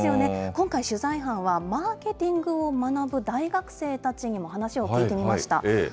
今回、取材班はマーケティングを学ぶ大学生たちにも話を聞いてみました。